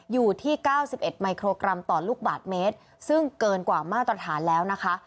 อยู่ที่๙๑มิโครกรัมต่อลูกบาทเมตรซึ่งเกินกว่ามาตรฐานแล้วนะคะ